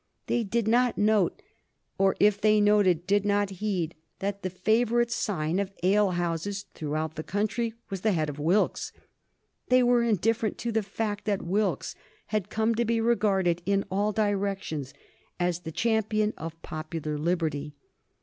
They did not note, or if they noted did not heed, that the favorite sign of ale houses throughout the country was the head of Wilkes. They were indifferent to the fact that Wilkes had come to be regarded in all directions as the champion of popular liberty.